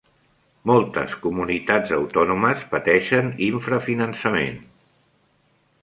Moltes comunitats autònomes pateixen infrafinançament